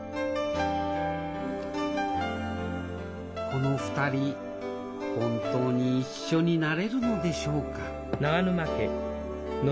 この２人本当に一緒になれるのでしょうか？